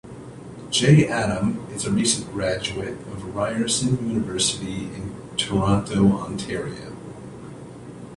J. Adam is a recent graduate of Ryerson University in Toronto, Ontario.